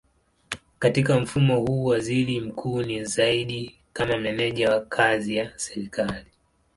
Katika mfumo huu waziri mkuu ni zaidi kama meneja wa kazi ya serikali.